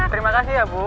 terima kasih ya bu